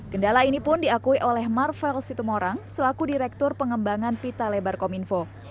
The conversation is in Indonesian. kendala ini pun diakui oleh marvel situmorang selaku direktur pengembangan pita lebar kominfo